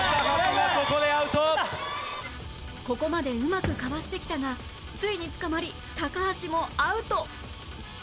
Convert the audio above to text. ここまでうまくかわしてきたがついに捕まり高橋もアウト